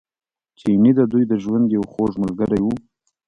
چیني د دوی د ژوند یو خوږ ملګری و.